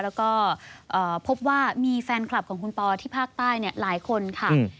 แล้วก็พบว่ามีแฟนคลับของคุณปอที่ภาคใต้หลายคนค่ะ